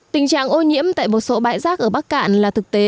tình trạng ô nhiễm tại một số bãi rác ở bắc cạn là thực tế